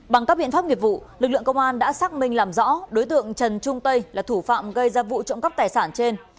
bằng các biện pháp nghiệp vụ lực lượng công an đã xác minh làm rõ đối tượng trần trung tây là thủ phạm gây ra vụ trộm cắp tài sản trên